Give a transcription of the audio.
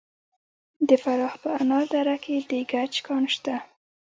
د فراه په انار دره کې د ګچ کان شته.